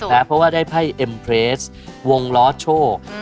เพราะว่าได้ไพ่เอ็มเพลสวงล้อโชค